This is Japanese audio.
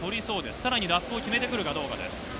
さらにラップを決めてくるかどうかです。